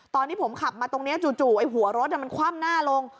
ตอนที่ผมขับมาตรงนี้จู่ไอ้หัวรถมันคว่ำหน้าลง